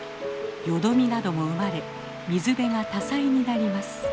よどみなども生まれ水辺が多彩になります。